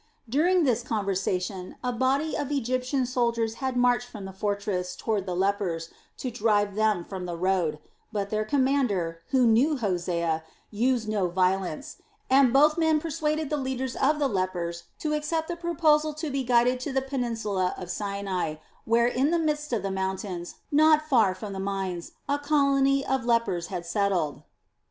During this conversation, a body of Egyptian soldiers had marched from the fortress toward the lepers to drive them from the road; but their commander, who knew Hosea, used no violence, and both men persuaded the leaders of the lepers to accept the proposal to be guided to the peninsula of Sinai, where in the midst of the mountains, not far from the mines, a colony of lepers had settled.